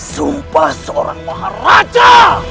sumpah seorang maharaja